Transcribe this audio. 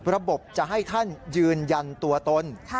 ระบบจะให้ท่านยืนยันตัวตน